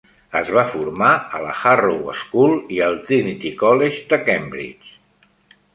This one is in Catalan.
Es va formar a la Harrow School i al Trinity College de Cambridge.